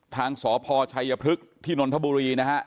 ทางสพชัยพฤกษ์ที่นนทบุรีนะฮะ